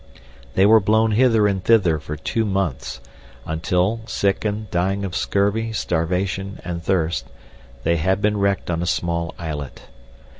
They were blown hither and thither for two months, until sick and dying of scurvy, starvation, and thirst, they had been wrecked on a small islet.